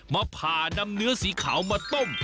มาผ่านำเนื้อสีขาวมาต้ม